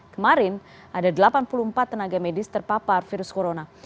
kemarin ada delapan puluh empat tenaga medis terpapar virus corona